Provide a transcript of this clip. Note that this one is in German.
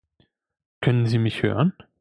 Können Sie mich hören?